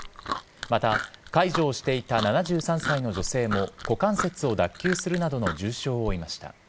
また、介助をしていた７３歳の女性も股関節を脱臼するなどの重傷を負いました。